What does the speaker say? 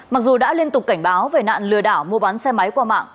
mặc dù đã liên tục cảnh báo về nạn lừa đảo mua bán xe máy qua mạng